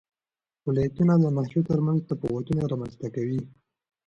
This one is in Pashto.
ولایتونه د ناحیو ترمنځ تفاوتونه رامنځ ته کوي.